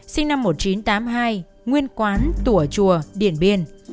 sinh năm một nghìn chín trăm tám mươi hai nguyên quán tùa chùa điền biên